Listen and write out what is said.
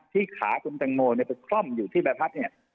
ที่ขาคุณแตงโมเนี่ยไปคล่อมอยู่ที่ใบพัดเนี่ย